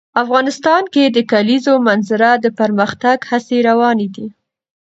افغانستان کې د د کلیزو منظره د پرمختګ هڅې روانې دي.